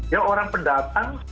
ya orang pendatang